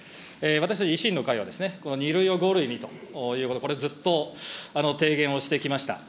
私たち維新の会は、この２類を５類にということ、これずっと提言をしてきました。